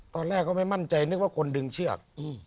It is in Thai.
ตอนแรกก็ไม่มั่นใจนึกว่าคนดึงเชือก